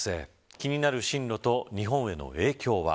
気になる進路と日本への影響は。